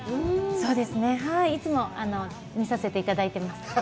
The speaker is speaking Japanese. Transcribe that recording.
そうですね、いつも、見させていただいてます。